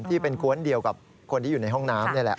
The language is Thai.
ที่เป็นกวนเดียวกับคนที่อยู่ในห้องน้ำนี่แหละ